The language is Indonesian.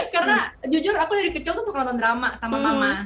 karena jujur aku dari kecil suka nonton drama sama mama